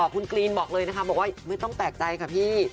คุณกรีนบอกเลยนะคะบอกว่าไม่ต้องแปลกใจค่ะพี่